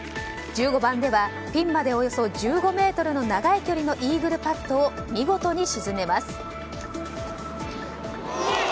１５番ではピンまでおよそ１５ｍの長い距離のイーグルパットを見事に沈めます。